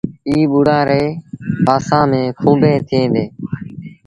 ائيٚݩ ٻوڙآن ري پاسآݩ ميݩ کونڀيٚن ٿئيٚݩ ديٚݩ۔